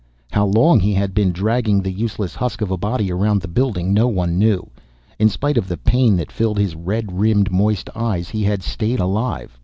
How long he had been dragging the useless husk of a body around the building, no one knew. In spite of the pain that filled his red rimmed, moist eyes, he had stayed alive.